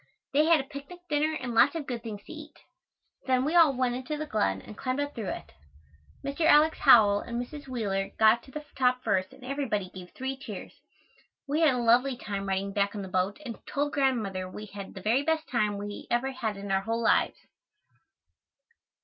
They had a picnic dinner and lots of good things to eat. Then we all went into the glen and climbed up through it. Mr. Alex. Howell and Mrs. Wheeler got to the top first and everybody gave three cheers. We had a lovely time riding back on the boat and told Grandmother we had the very best time we ever had in our whole lives.